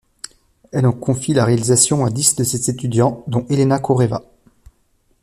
Elle en confie la réalisation à dix de ses étudiants, dont Elena Khoreva.